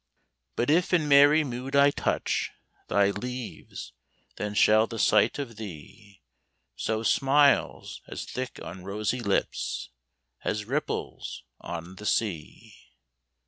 But if in merry mood I touch Thy leaves, then shall the sight of thee Sow smiles as thick on rosy lips As ripples on the sea.